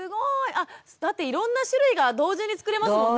あだっていろんな種類が同時に作れますもんね。